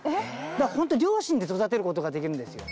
ホント両親で育てることができるんですよ。